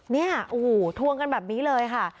นี่ทวงกันแบบนี้เลยค่ะ